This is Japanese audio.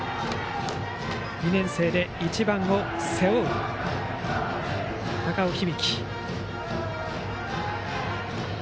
２年生で１番を背負う高尾響。